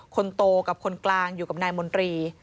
คนโตกับคนกลางอยู่กับนายมนตรี